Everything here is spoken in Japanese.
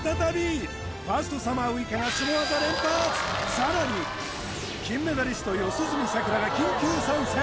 さらに金メダリスト四十住さくらが緊急参戦